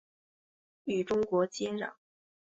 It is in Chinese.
与中国接壤。